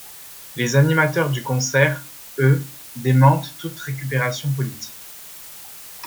Les animateurs du concert, eux, démentent toute récupération politique.